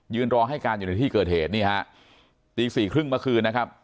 รอให้การอยู่ในที่เกิดเหตุนี่ฮะตีสี่ครึ่งเมื่อคืนนะครับ